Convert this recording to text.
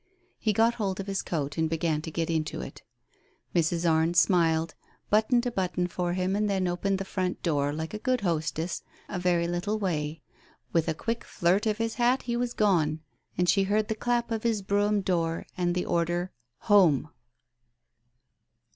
... He got hold of his coat and began to get into it. ... Mrs. Arne smiled, buttoned a button for him and then opened the front door, like a good hostess, a very little way. With a quick flirt of his hat he was gone, and she heard the clap of his brougham door and the order "Home."